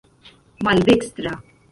maldekstra